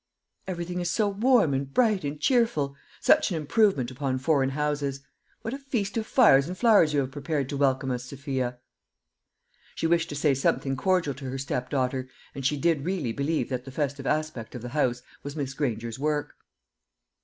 "Everything is so warm and bright and cheerful, such an improvement upon foreign houses. What a feast of fires and flowers you have prepared to welcome us, Sophia!" She wished to say something cordial to her step daughter, and she did really believe that the festive aspect of the house was Miss Granger's work.